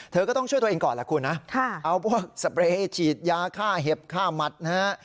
เธอก็ต้องช่วยตัวเองก่อนแหละคุณนะเอาพวกสเปรย์ฉีดยาฆ่าเห็บฆ่าหมัดนะฮะ